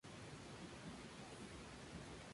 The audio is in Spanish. Angola es un estado del suroeste de África.